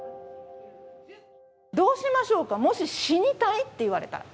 どうしましょうか、もし死にたいと言われたら。